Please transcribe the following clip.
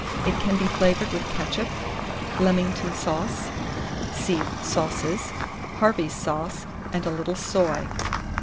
It can be flavoured with ketchup, Leamington sauce (see SAUCES), Harvey's sauce, and a little soy.